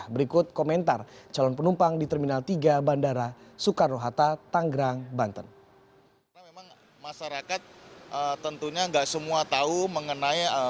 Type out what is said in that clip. berikut komentar calon penumpang di terminal tiga bandara soekarno hatta tanggerang banten